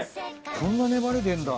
こんな粘り出るんだ。